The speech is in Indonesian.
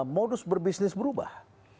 modus berbisnis berubah